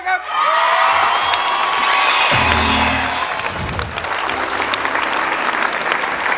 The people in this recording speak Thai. ขอบคุณครับ